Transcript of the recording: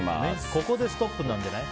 ここでストップなんじゃない？